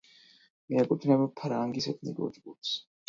მიეკუთვნება ფანგის ეთნიკურ ჯგუფს.